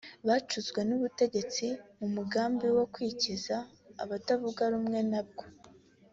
byacuzwe n’ubutegetsi mu mugambi wo kwikiza abatavuga rumwe na bwo